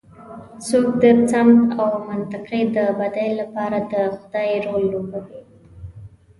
څوک د سمت او منطقې د بدۍ لپاره د خدۍ رول لوبوي.